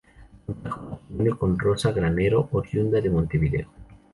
Contrajo matrimonio con Rosa Granero, oriunda de Montevideo.